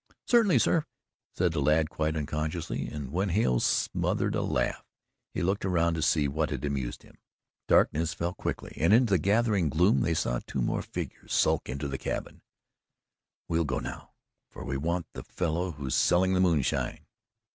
"Certainly, sir," said the lad quite unconsciously, and when Hale smothered a laugh, he looked around to see what had amused him. Darkness fell quickly, and in the gathering gloom they saw two more figures skulk into the cabin. "We'll go now for we want the fellow who's selling the moonshine."